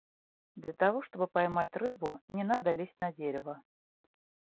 Для того чтобы поймать рыбу, не надо лезть на дерево.